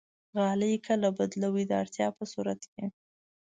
غالۍ کله بدلوئ؟ د اړتیا په صورت کې